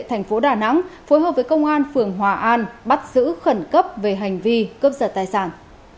thành phố đà nẵng phối hợp với công an phường hòa an bắt giữ khẩn cấp về hành vi cướp giật tài sản